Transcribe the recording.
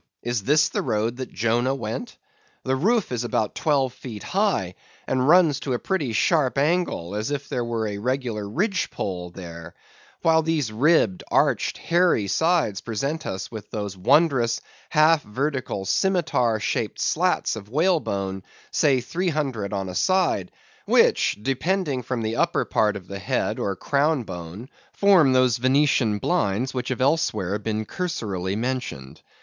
is this the road that Jonah went? The roof is about twelve feet high, and runs to a pretty sharp angle, as if there were a regular ridge pole there; while these ribbed, arched, hairy sides, present us with those wondrous, half vertical, scimetar shaped slats of whalebone, say three hundred on a side, which depending from the upper part of the head or crown bone, form those Venetian blinds which have elsewhere been cursorily mentioned.